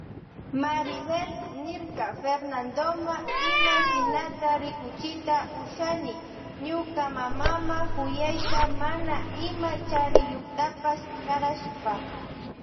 Maribel niyrka Fernandoma ima shinata rikuchita ushani ñuka mamama kuyayta mana ima chaniyuktapash karashpa.